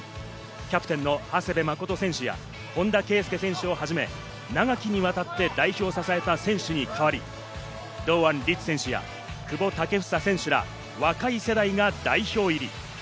キャプテンの長谷部誠選手や、本田圭佑選手をはじめ、長きにわたって代表を支えた選手に代わり、堂安律選手や久保建英選手ら若い世代が代表入り。